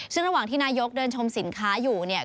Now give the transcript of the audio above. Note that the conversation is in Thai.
ซึ่งระหว่างที่นายกเดินชมสินค้าอยู่เนี่ย